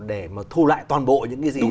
để mà thu lại toàn bộ những cái gì